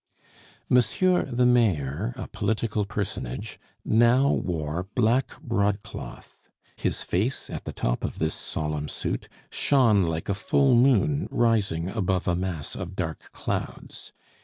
Monsieur the Mayor, a political personage, now wore black broadcloth. His face, at the top of this solemn suit, shone like a full moon rising above a mass of dark clouds.